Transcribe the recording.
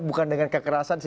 bukan dengan kekerasan